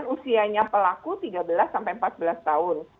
usianya pelaku tiga belas sampai empat belas tahun